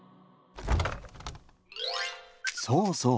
そうそう！